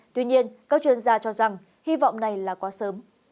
tuy nhiên các chuyên gia cho rằng hy vọng này là quá sớm